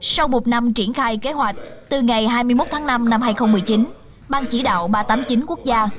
sau một năm triển khai kế hoạch từ ngày hai mươi một tháng năm năm hai nghìn một mươi chín ban chỉ đạo ba trăm tám mươi chín quốc gia